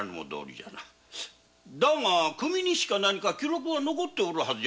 だが組日誌か記録が残っておるはず。